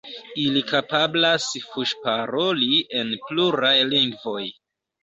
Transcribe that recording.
Ili kapablas fuŝparoli en pluraj lingvoj.